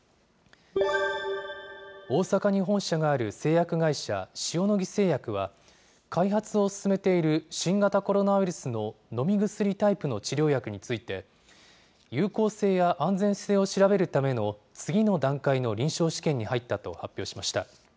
大阪に本社がある製薬会社、塩野義製薬は、開発を進めている、新型コロナウイルスの飲み薬タイプの治療薬について、有効性や安全性を調べるための次の段階の臨床試験に入ったと発表しました。